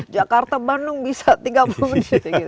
jakarta bandung bisa tiga puluh juta gitu